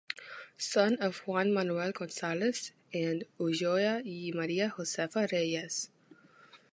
Son of Juan Manuel González and Ulloa y María Josefa Reyes.